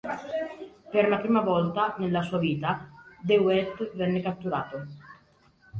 Per la prima volta, nella sua vita, De Wet venne catturato.